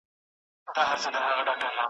ستا سندره ووایم څوک خو به څه نه وايي .